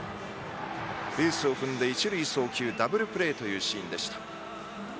ベースを踏んで一塁送球ダブルプレーというシーンでした。